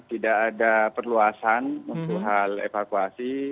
tidak ada perluasan mengenai evakuasi